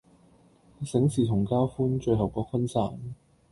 醒時同交歡，醉後各分散